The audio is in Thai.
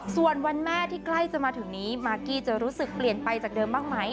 ส่วนวันแม่ที่ใกล้จะมาถึงนี้มากกี้จะรู้สึกเปลี่ยนไปจากเดิมบ้างไหม